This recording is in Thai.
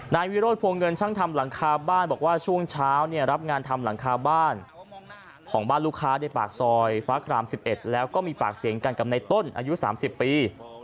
นายวิโรธพวงเงินช่างทำหลังคาบ้านบอกว่าช่วงเช้าเนี่ยรับงานทำหลังคาบ้านของบ้านลูกค้าในปากซอยฟ้าคราม๑๑แล้วก็มีปากเสียงกันกับในต้นอายุ๓๐ปี